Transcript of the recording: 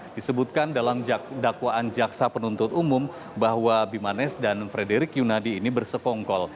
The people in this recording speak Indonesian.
disebutkan dalam dakwaan jaksa penuntut umum bahwa bimanes dan frederick yunadi ini bersekongkol